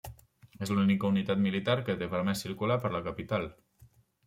És l'única unitat militar que té permès circular per la capital.